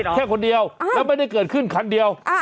แค่คนเดียวแล้วไม่ได้เกิดขึ้นคันเดียว